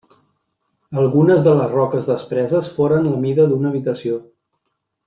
Algunes de les roques despreses foren la mida d'una habitació.